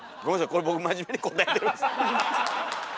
これ僕真面目に答えてるんです。